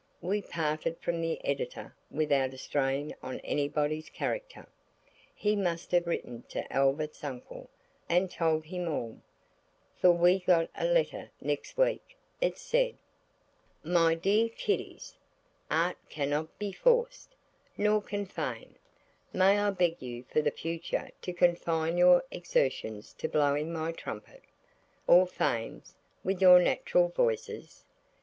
We parted from that Editor without a strain on anybody's character. He must have written to Albert's uncle, and told him all, for we got a letter next week. It said– "MY DEAR KIDDIES,–Art cannot be forced. Nor can Fame. May I beg you for the future to confine your exertions to blowing my trumpet–or Fame's–with your natural voices?